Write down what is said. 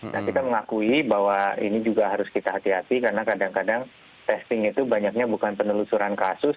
dan kita mengakui bahwa ini juga harus kita hati hati karena kadang kadang testing itu banyaknya bukan penelusuran kasus